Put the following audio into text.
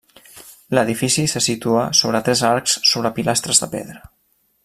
L'edifici se situa sobre tres arcs sobre pilastres de pedra.